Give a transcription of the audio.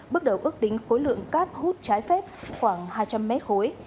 bước đầu ước tính khối lượng cát hút trái phép khoảng hai trăm linh mét khối